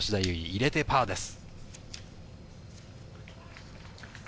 入れてパーです。